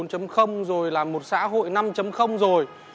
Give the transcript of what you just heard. rồi là một xã hội năm rồi